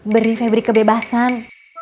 beri febri kebebasan